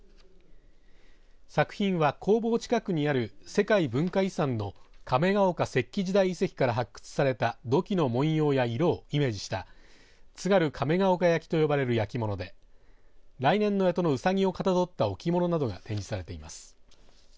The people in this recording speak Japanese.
作品は工房近くにある世界文化遺産の亀ヶ岡石器時代遺跡から発掘された土器の文様や色をイメージした津軽亀ヶ岡焼きと呼ばれる焼き物で来年のえとのうさぎをかたどった置物などが展示されています。